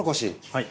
はい。